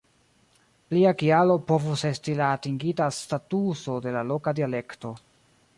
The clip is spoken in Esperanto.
Plia kialo povus esti la atingita statuso de la loka dialekto.